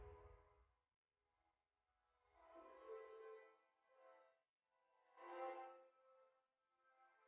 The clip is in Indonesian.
dia juga bukan seorang k prereja